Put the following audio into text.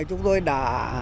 chúng tôi đã